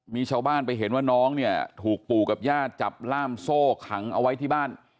มีชาวบ้านไปเห็นว่าน้องเนี่ยถูกปู่กับญาติจับล่ามโซ่ขังเอาไว้ที่บ้าน